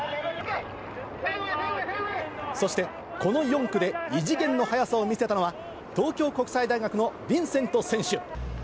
そして、この４区で異次元の速さを見せたのは、東京国際大学のヴィンセント選手。